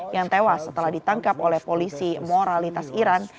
yang tewas setelah ditangkap oleh polisi moralitas iran